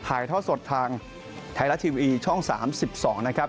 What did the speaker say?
ถ่ายท่อสดทางไทยละทีวีช่อง๓๒นะครับ